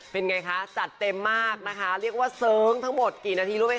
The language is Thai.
เป็นไงคะจัดเต็มมากนะคะเรียกว่าเสิร์งทั้งหมดกี่นาทีรู้ไหมค